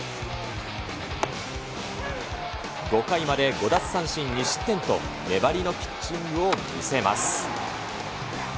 ５回まで５奪三振２失点と、粘りのピッチングを見せます。